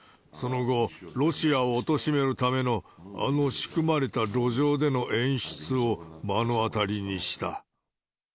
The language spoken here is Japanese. その後、ロシアをおとしめるためのあの仕組まれた路上での演出を目の当たりにした。